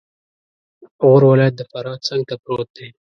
غور ولایت د فراه څنګته پروت دی